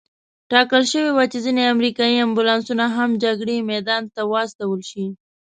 ټاکل شوې وه چې ځینې امریکایي امبولانسونه هم جګړې میدان ته واستول شي.